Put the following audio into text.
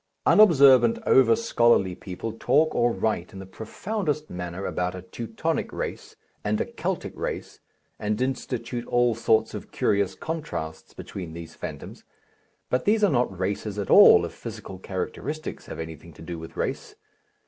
Unobservant, over scholarly people talk or write in the profoundest manner about a Teutonic race and a Keltic race, and institute all sorts of curious contrasts between these phantoms, but these are not races at all, if physical characteristics have anything to do with race.